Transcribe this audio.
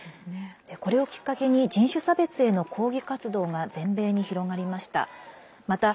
これをきっかけに人種差別への抗議活動が全米に広がりました。